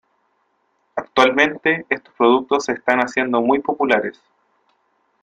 Actualmente estos productos se están haciendo muy populares.